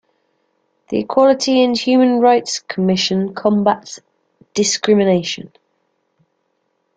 The Equality and Human Rights Commission combats discrimination.